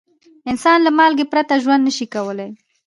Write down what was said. انسان له مالګې پرته ژوند نه شي کولای.